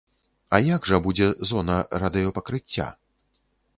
А як жа будзе зона радыёпакрыцця?